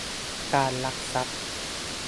การลักทรัพย์